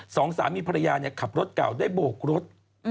สองสามีภรรยาขับรถเก่าได้โบกรถ